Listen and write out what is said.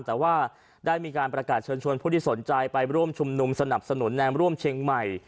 แต่ว่าได้มีการประกาศเชิญชวนผู้ที่สนใจไปร่วมชุมนุมสนับสนุนแนมร่วมเชียงใหม่